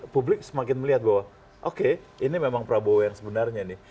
publik semakin melihat bahwa oke ini memang prabowo yang sebenarnya nih